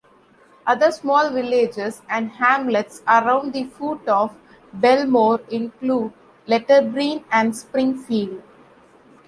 Other small villages and hamlets around the foot of Belmore include Letterbreen and Springfield.